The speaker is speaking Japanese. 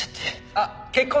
あっ結婚